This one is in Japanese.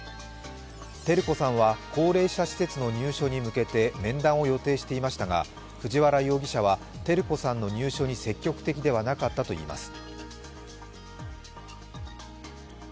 照子さんは高齢者施設の入所に向けて面談を予定していましたが藤原容疑者は照子さんの入所に積極的ではなかったといいます。